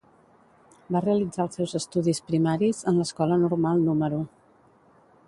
Va realitzar els seus estudis primaris en l'Escola Normal número .